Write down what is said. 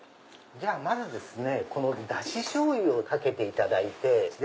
まずダシしょうゆをかけていただいて。